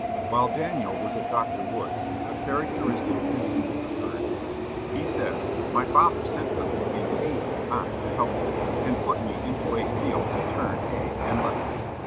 While Daniel was at Dr. Wood's, a characteristic incident occurred. He says: "My father sent for me in haying time to help him, and put me into a field to turn hay, and left me.